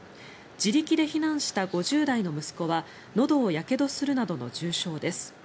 自力で避難した５０代の息子はのどをやけどするなどの重傷です。